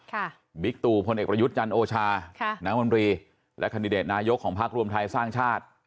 บิ๊กตู่พลเอกประยุทธ์จันทร์โอชาค่ะนางมนตรีและคันดิเดตนายกของพักรวมไทยสร้างชาติ